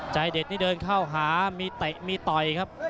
ใจเดชนี้เดินเข้าหามีต่อยเลยครับ